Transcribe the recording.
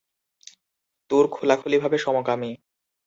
তুর খোলাখুলিভাবে সমকামী।